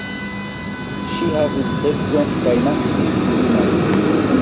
Ŝi havis edzon kaj naskis filinon.